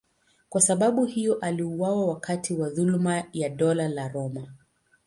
Kwa sababu hiyo aliuawa wakati wa dhuluma ya Dola la Roma.